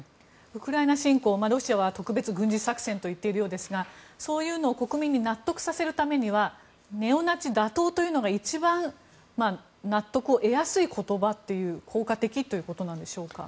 ウクライナ侵攻ロシアは特別軍事作戦と言っているようですがそういうのを国民に納得させるためにはネオナチ打倒というのが一番納得を得やすい効果的ということでしょうか。